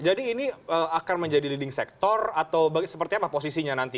jadi ini akan menjadi leading sector atau seperti apa posisinya nanti